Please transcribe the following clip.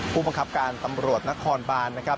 ผู้บังคับการตำรวจนครบานนะครับ